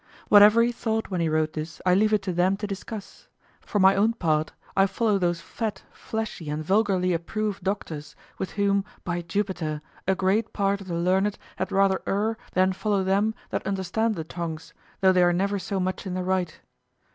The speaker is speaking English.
Whatever he thought when he wrote this, I leave it to them to discuss; for my own part, I follow those fat, fleshy, and vulgarly approved doctors, with whom, by Jupiter! a great part of the learned had rather err than follow them that understand the tongues, though they are never so much in the right.